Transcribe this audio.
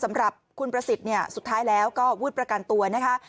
สำหรับคุณประสิทธิ์เนี่ยสุดท้ายแล้วก็วืดประกันตัวนะคะ